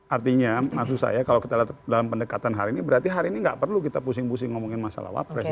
artinya maksud saya kalau kita lihat dalam pendekatan hari ini berarti hari ini nggak perlu kita pusing pusing ngomongin masalah wapres